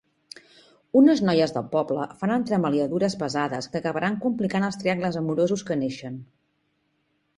Unes noietes del poble fan entremaliadures pesades que acabaran complicant els triangles amorosos que neixen.